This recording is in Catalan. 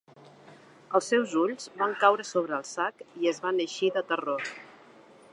Els seus ulls van caure sobre el sac i es van eixir de terror.